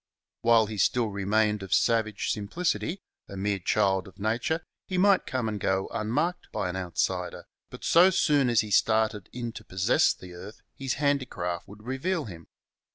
While he still re mained of savage simplicity, a mere child of nature, he might come and go unmarked by an outsider, but so soon as he started in to possess the earth his handicraft would reveal him.